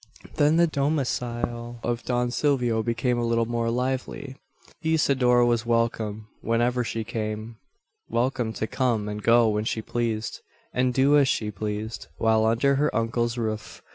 Then the domicile of Don Silvio became a little more lively. Isidora was welcome whenever she came; welcome to come and go when she pleased; and do as she pleased, while under her uncle's roof.